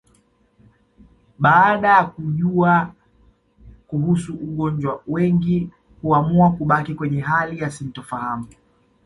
Baada ya kujua kuhusu ugonjwa wengi huamua kubaki kwenye hali ya sintofahamu